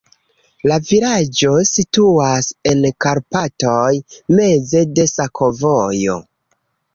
La vilaĝo situas en Karpatoj, meze de sakovojo.